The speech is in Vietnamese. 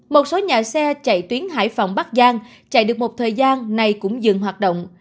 một số nhà xe chạy tuyến hải phòng bắc giang chạy được một thời gian này cũng dừng hoạt động